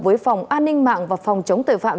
với phòng an ninh mạng và phòng chống tội phạm